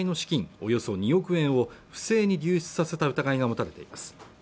およそ２億円を不正に流出させた疑いが持たれています